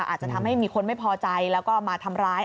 อาจจะทำให้มีคนไม่พอใจแล้วก็มาทำร้าย